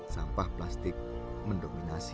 sampah plastik mendominasi